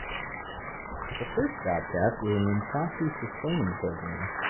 The first broadcast was an impromptu sustaining program.